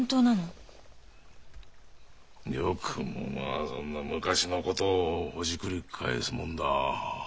よくもまあそんな昔の事をほじくり返すもんだ。